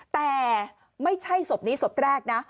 แต่ไม่ใช่ศพนี้ศพแรกนะ